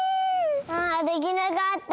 あできなかった。